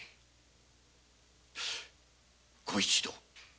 ご一同！